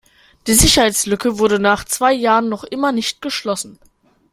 Die Sicherheitslücke wurde nach zwei Jahren noch immer nicht geschlossen.